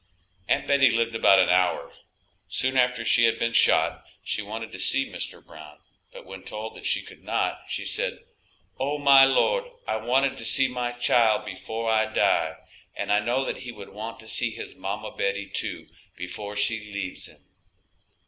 Aunt Betty lived about an hour. Soon after she had been shot she wanted to see Mr. Brown, but when told that she could not, she said, "O, my Lord, I wanted to see my child before I die, and I know that he would want to see his mamma Betty, too, before she leaves him."